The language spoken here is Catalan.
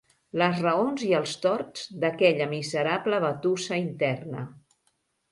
Les raons i els torts d'aquella miserable batussa interna